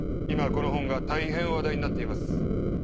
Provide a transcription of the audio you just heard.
今この本が大変話題になっています。